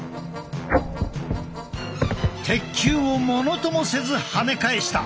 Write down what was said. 鉄球を物ともせずはね返した。